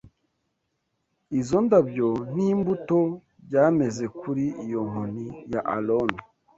Izo ndabyo n’imbuto byameze kuri iyo nkoni ya Aroni